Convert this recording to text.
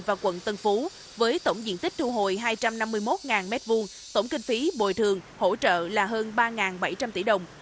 và quận tân phú với tổng diện tích thu hồi hai trăm năm mươi một m hai tổng kinh phí bồi thường hỗ trợ là hơn ba bảy trăm linh tỷ đồng